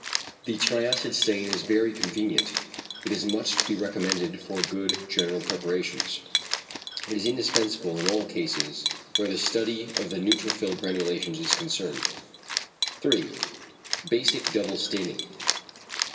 The triacid stain is very convenient. It is much to be recommended for good general preparations; =it is indispensable in all cases where the study of the neutrophil granulations is concerned=. 3. =Basic double staining.